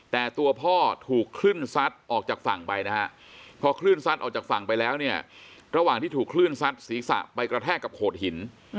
แต่ตัวพ่อถูกคลื่นซัดออกจากฝั่งไปนะฮะพอคลื่นซัดออกจากฝั่งไปแล้วเนี่ยระหว่างที่ถูกคลื่นซัดศีรษะไปกระแทกกับโขดหิน